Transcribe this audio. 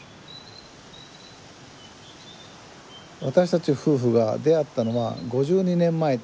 私たち夫婦が出会ったのは５２年前。